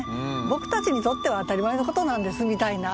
「僕たちにとっては当たり前のことなんです」みたいな。